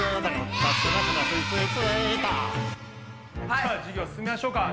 じゃあ授業進めましょうか。